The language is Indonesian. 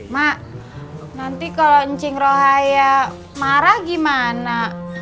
mak nanti kalau ncingrohaya marah gimana